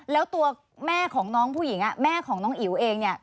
แล้วตัวแม่ของน้องผู้หญิงแม่ของน้องอิ๋วเองเนี่ย